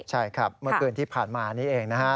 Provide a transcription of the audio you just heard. ใช่ครับเมื่อคืนที่ผ่านมานี้เองนะฮะ